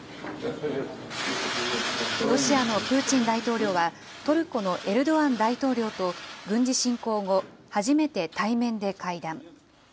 ロシアのプーチン大統領は、トルコのエルドアン大統領と軍事侵攻後、初めて対面で会談。